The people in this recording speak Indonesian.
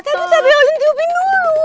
tata tata olin tiupin dulu